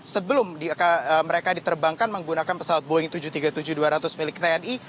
sebelum mereka diterbangkan menggunakan pesawat boeing tujuh ratus tiga puluh tujuh dua ratus milik tni